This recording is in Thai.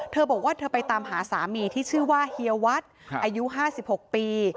เธอบอกว่าเธอไปตามหาสามีที่ชื่อว่าเฮียวัดอายุ๕๖ปี